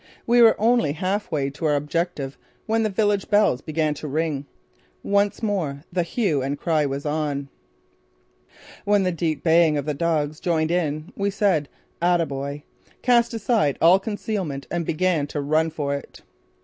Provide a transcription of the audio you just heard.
We were only half way to our objective when the village bells began to ring. Once more the hue and cry was on! When the deep baying of the dogs joined in we said "Ataboy!" cast aside all concealment and began to run for it.